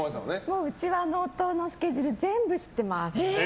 もう、うちは夫のスケジュール全部知ってます。